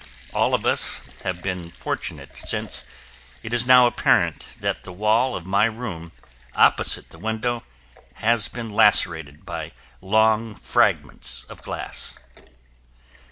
All of us have been fortunate since it is now apparent that the wall of my room opposite the window has been lacerated by long fragments of glass.